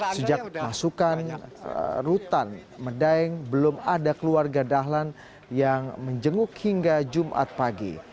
sejak masukan rutan medaeng belum ada keluarga dahlan yang menjenguk hingga jumat pagi